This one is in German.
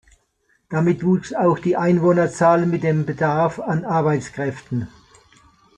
Damit wuchs auch die Einwohnerzahl mit dem Bedarf an Arbeitskräften.